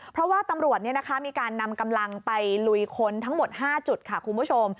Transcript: เพราะว่าตำรวจมีการนำกำลังไปลุยคนทั้งหมด๕จุดค่ะคุณผู้ชม